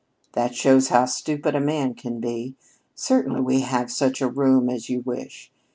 "That shows how stupid a man can be. Certainly we have such a room as you wish.